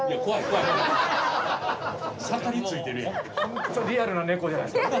ホントリアルな猫じゃないですか。